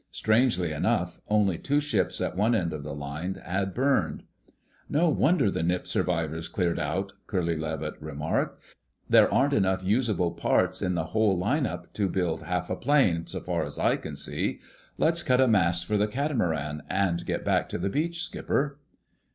Strangely enough, only two ships at one end of the line had burned. "No wonder the Nip survivors cleared out!" Curly Levitt remarked. "There aren't enough usable parts in the whole line up to build half a plane, so far as I can see. Let's cut a mast for the catamaran, and get back to the beach, skipper."